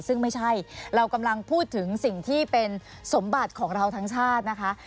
ซึ่งไม่ใช่เรากำลังพูดถึงสิ่งที่เป็นสมบัติของเราทั้งชาตินะคะ